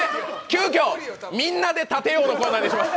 急きょみんなで立てようのコーナーにします！